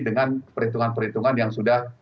dengan perhitungan perhitungan yang sudah